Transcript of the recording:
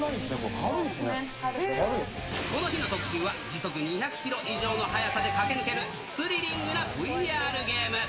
軽いでこの日の特集は、時速２００キロ以上の速さで駆け抜けるスリリングなＶＲゲーム。